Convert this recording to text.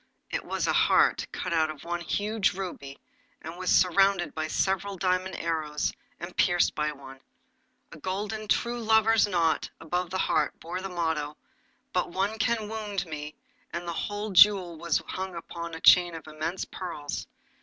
It was a heart cut out of one huge ruby, and was surrounded by several diamond arrows, and pierced by one. A golden true lover's knot above the heart bore the motto, 'But one can wound me,' and the whole jewel was hung upon a chain of immense pearls.